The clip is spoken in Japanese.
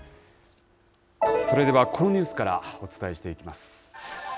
それではこのニュースからお伝えしていきます。